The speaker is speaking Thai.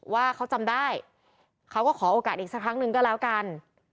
ว่าเขาจำได้เขาก็ขอโอกาสอีกสักครั้งหนึ่งก็แล้วกัน